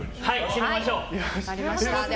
締めましょう！